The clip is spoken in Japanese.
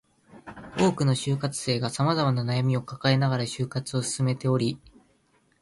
多くの就活生が様々な悩みを抱えながら就活を進めており